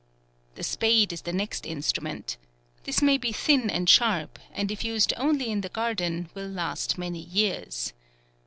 The spade is the next instrument. This may be thin and sharp, and if used only in the garden, will last many years.